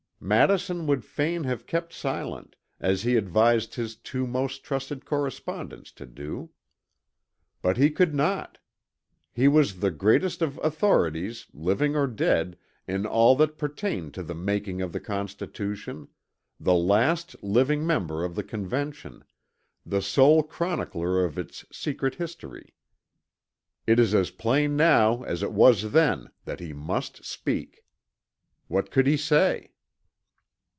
Madison would fain have kept silent, as he advised his two most trusted correspondents to do. But he could not! He was the greatest of authorities, living or dead, in all that pertained to the making of the Constitution; the last living member of the Convention; the sole chronicler of its secret history. It is as plain now as it was then that he must speak. What could he say?